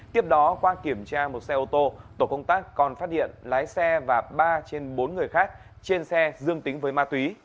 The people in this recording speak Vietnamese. tiếp đó qua kiểm tra một xe ô tô tổ công tác còn phát hiện lái xe và ba trên bốn người khác trên xe dương tính với ma túy